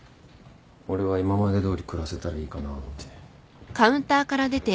俺は今までどおり暮らせたらいいかなって。